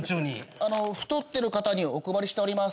あの太ってる方にお配りしております。